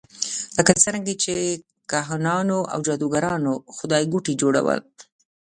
لکه څرنګه چې کاهنانو او جادوګرانو خدایګوټي جوړول.